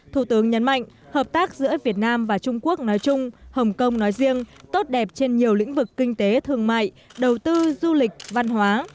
thủ tướng nhấn mạnh hợp tác giữa việt nam và trung quốc nói chung hồng kông nói riêng tốt đẹp trên nhiều lĩnh vực kinh tế thương mại đầu tư du lịch văn hóa